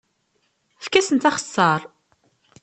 Efk-asent axeṣṣar.